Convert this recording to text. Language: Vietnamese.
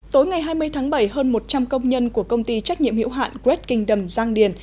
tối ngày hai mươi tháng bảy hơn một trăm linh công nhân của công ty trách nhiệm hiệu hạn great kingdom giang điền